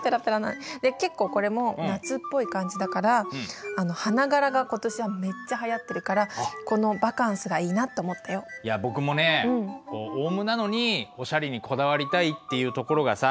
結構これも夏っぽい感じだから花柄が今年はめっちゃ流行ってるからこのいや僕もねオウムなのにおしゃれにこだわりたいっていうところがさ